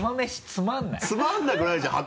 つまんなくないじゃん。